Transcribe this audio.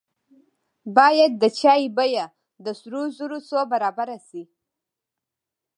باید د چای بیه د سرو زرو څو برابره شي.